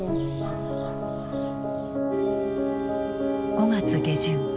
５月下旬